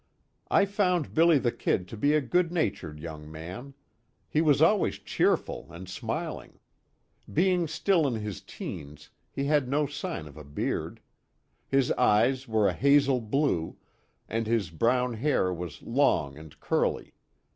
I found "Billy the Kid" to be a good natured young man. He was always cheerful and smiling. Being still in his teens, he had no sign of a beard. His eyes were a hazel blue, and his brown hair was long and curly.